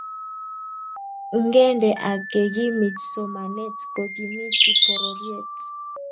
ngendee ak kekimit somanet ko kimiti pororiet